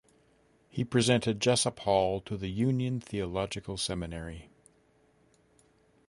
He presented Jesup Hall to the Union Theological Seminary.